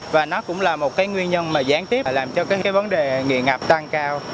và nó cũng là một cái nguyên nhân mà gián tiếp làm cho cái vấn đề nghiện ngạp tăng cao